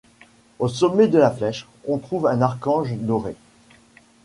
Au sommet de la flèche, on trouve un archange doré.